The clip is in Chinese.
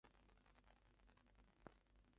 福州苎麻为荨麻科苎麻属下的一个变种。